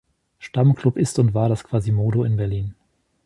Stamm-Club ist und war das Quasimodo in Berlin.